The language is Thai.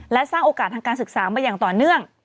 และสร้างโอกาสทางการศึกษามาอย่างต่อเนื่อง